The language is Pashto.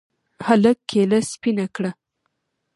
هلك کېله سپينه کړه.